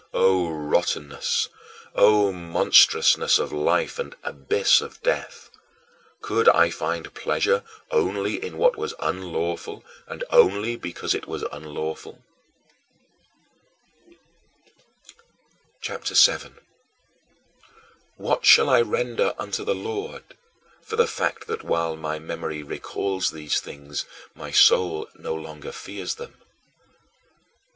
O rottenness! O monstrousness of life and abyss of death! Could I find pleasure only in what was unlawful, and only because it was unlawful? CHAPTER VII 15. "What shall I render unto the Lord" for the fact that while my memory recalls these things my soul no longer fears them?